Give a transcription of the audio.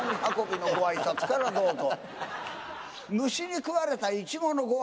のご挨拶からどうぞ。